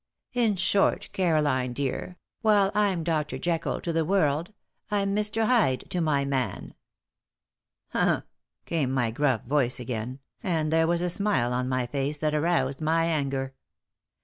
In short, Caroline, dear, while I'm Dr. Jekyll to the world, I'm Mr. Hyde to my man." "H'm," came my gruff voice again, and there was a smile on my face that aroused my anger.